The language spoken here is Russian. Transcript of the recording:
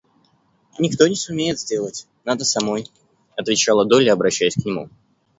Никто не сумеет сделать, надо самой, — отвечала Долли, обращаясь к нему.